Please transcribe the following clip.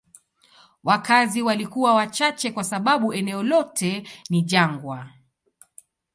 Wakazi walikuwa wachache kwa sababu eneo lote ni jangwa.